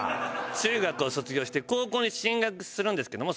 中学を卒業して高校に進学するんですけどもそのあと。